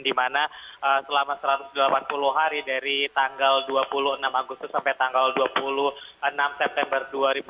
di mana selama satu ratus delapan puluh hari dari tanggal dua puluh enam agustus sampai tanggal dua puluh enam september dua ribu dua puluh